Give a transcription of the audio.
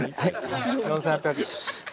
４，８００。